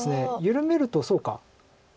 緩めるとそうか。